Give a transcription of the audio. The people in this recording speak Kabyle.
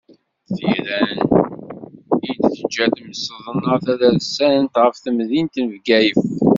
Tira i d-teǧǧa temsedna-taserdasant ɣef temdint n Bgayet.